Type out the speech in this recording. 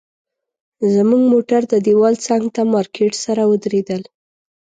زموږ موټر د دیوال څنګ ته مارکیټ سره ودرېدل.